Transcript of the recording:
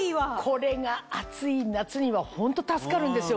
これが暑い夏にはホント助かるんですよ